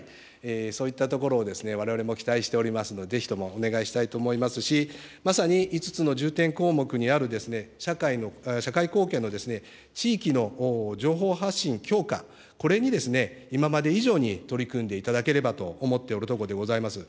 そういったところをわれわれも期待しておりますので、ぜひともお願いしたいと思いますし、まさに５つの重点項目にある社会貢献の地域の情報発信強化、これに今まで以上に取り組んでいただければと思っておるところでございます。